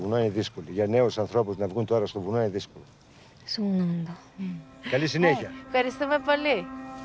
そうなんだ。